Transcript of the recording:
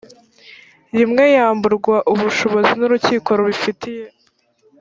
rimwe yamburwa ubushobozi n urukiko rubifitiye